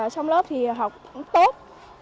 trong lớp thì học tốt